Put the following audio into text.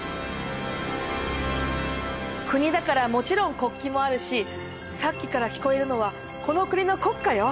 国だからもちろん国旗もあるしさっきから聞こえるのはこの国の国歌よ。